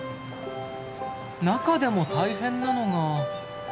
中でも大変なのが。